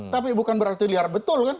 tapi bukan berarti liar betul kan